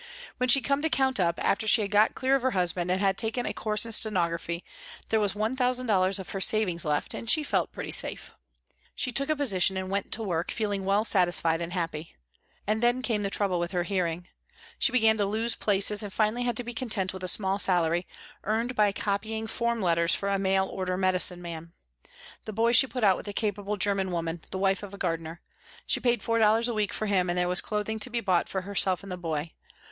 When she came to count up, after she had got clear of her husband and had taken a course in stenography, there was one thousand dollars of her savings left and she felt pretty safe. She took a position and went to work, feeling well satisfied and happy. And then came the trouble with her hearing. She began to lose places and finally had to be content with a small salary, earned by copying form letters for a mail order medicine man. The boy she put out with a capable German woman, the wife of a gardener. She paid four dollars a week for him and there was clothing to be bought for herself and the boy.